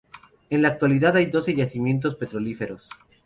En la actualidad hay doce yacimientos petrolíferos.